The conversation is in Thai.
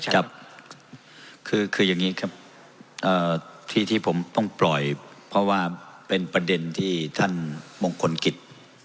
ครับคืออย่างนี้ครับที่ที่ผมต้องปล่อยเพราะว่าเป็นประเด็นที่ท่านมงคลกิจ